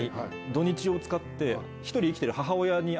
土日を使って一人生きてる。